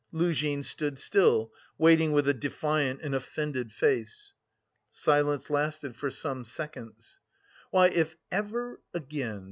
Luzhin stood still, waiting with a defiant and offended face. Silence lasted for some seconds. "Why, if ever again...